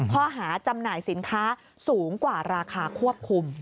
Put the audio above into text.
ข้อหาจำหน่ายสินค้าสูงกว่าราคาควบคุม